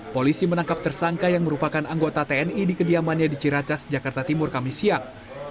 polisi menangkap tersangka yang merupakan anggota tni di kediamannya di ciracas jakarta timur kamis siang